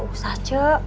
gak usah cuk